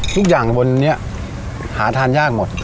ทุกอย่างบนนี้หาทานยากหมด